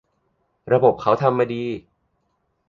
ระบบเขาทำมาดี